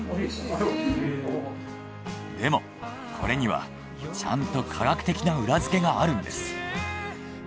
でもこれにはちゃんと科学的な裏付けがあるんです。